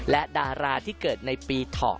และดาราที่เกิดในปีเถาะ